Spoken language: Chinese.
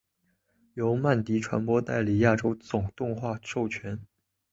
由曼迪传播代理亚洲总动画授权。